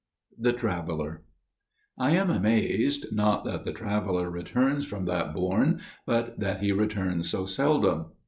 The Traveller "I am amazed, not that the Traveller returns from that Bourne, but that he returns so seldom."